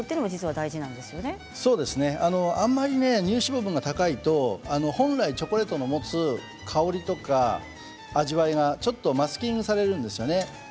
乳脂肪分が高いと本来のチョコレートの持つ香りとか味わいがちょっとマスキングされるんですよね